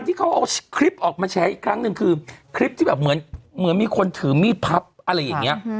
ที่แบบเหมือนมีคนถือมี่พับอะไรอย่างเงี้ย